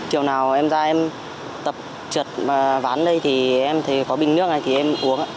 chiều nào em ra em tập trượt và ván đây thì em thấy có bình nước này thì em uống ạ